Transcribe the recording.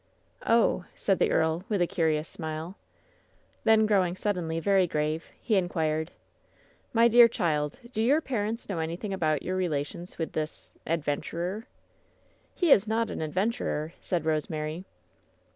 "Oh!" said the earl, with a curious smile. Then, growing suddenly very grave, he inquired: "My dear child, do your parents know anything about your relations with this — adventurer?" "He is not an adventurer," said Bosemary.